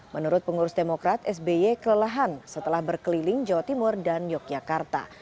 menurut pengurus demokrat sby kelelahan setelah berkeliling jawa timur dan yogyakarta